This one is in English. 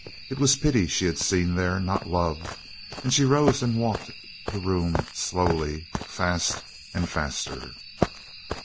It was pity she had seen there, not love; and she rose and walked the room slowly, fast and faster.